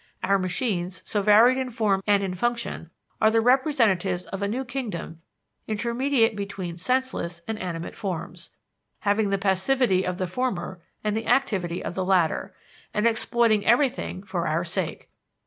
Our machines, so varied in form and in function, are the representatives of a new kingdom intermediate between senseless and animate forms, having the passivity of the former and the activity of the latter, and exploiting everything for our sake.